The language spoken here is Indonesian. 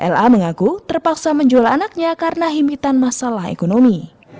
la mengaku terpaksa menjual anaknya karena himitan masalah ekonomi